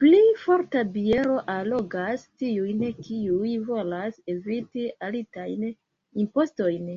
Pli forta biero allogas tiujn, kiuj volas eviti altajn impostojn.